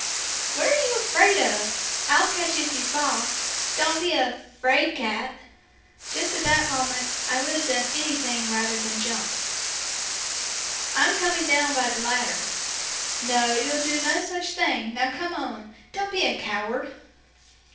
"What are you afraid of? I'll catch you if you fall. Don't be a 'fraidcat!'" Just at that moment I would have done anything rather than jump. "I'm coming down by the ladder." "No, you'll do no such thing! Now, come on; don't be a coward!"